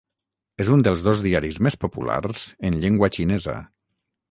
És un dels dos diaris més populars en llengua xinesa.